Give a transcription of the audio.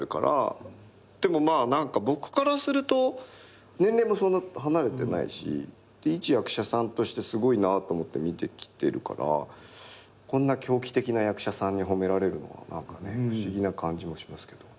でもまあ何か僕からすると年齢もそんな離れてないし一役者さんとしてすごいなと思って見てきてるからこんな狂気的な役者さんに褒められるのは不思議な感じもしますけど。